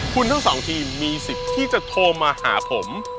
คุณทั้งสองทีมมีสิทธิ์ที่จะโทรมาหาผม